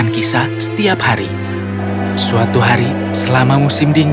kisah ratu salju